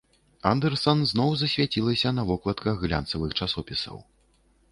Андэрсан зноў засвяцілася на вокладках глянцавых часопісаў.